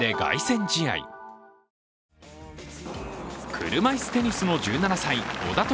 車いすテニスの１７歳、小田凱